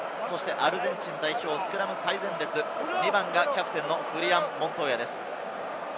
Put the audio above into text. アルゼンチン代表・スクラム最前列２番がキャプテン、フリアン・モントーヤです。